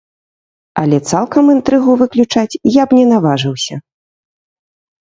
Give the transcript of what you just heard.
Але цалкам інтрыгу выключаць я б не наважыўся.